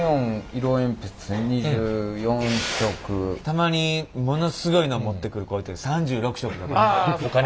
たまにものすごいの持ってくる子いて３６色とか。